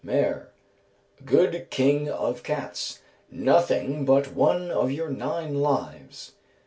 MER. Good king of cats, nothing but one of your nine lives."